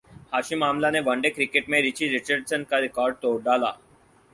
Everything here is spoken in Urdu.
ہاشم املہ نے ون ڈے کرکٹ میں رچی رچرڈسن کا ریکارڈ توڑ ڈالا